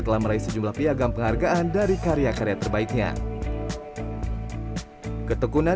telah meraih sejumlah piagam penghargaan dari karya karya terbaiknya ketekunan